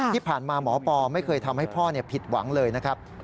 ที่ผ่านมาหมอปอไม่เคยทำให้พ่อผิดหวังเลยนะครับ